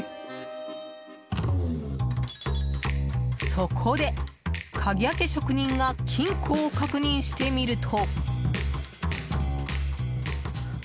そこで、鍵開け職人が金庫を確認してみると。